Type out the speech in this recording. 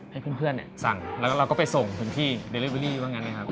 แล้วก็ให้เพื่อนเนี่ยสั่งแล้วเราก็ไปส่งถึงที่เดริเวอรี่บ้างกันนะครับ